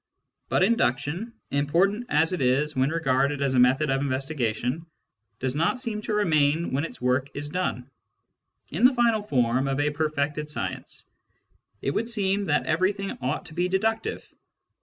But induction, important as it is when regarded as a method of investigation, does not seem to remain when its work is done : in the final form of a perfected science, it would seem that everything ought to be deductive.